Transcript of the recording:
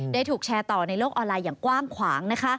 ถูกแชร์ต่อในโลกออนไลน์อย่างกว้างขวางนะคะ